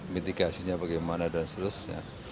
mitigasinya bagaimana dan seterusnya